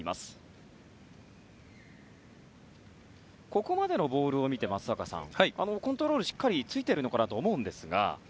ここまでのボールを見て松坂さんコントロールはしっかりついているのかなと思うんですが。